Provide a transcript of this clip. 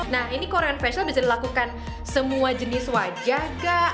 nah ini korean facial bisa dilakukan semua jenis wajah kak